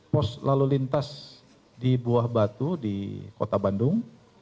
pos lalu lintas di buah batu di kota bandung